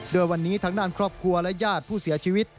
โดยวันนี้ทางด้านครอบครัวและญาติผู้เสียชีวิต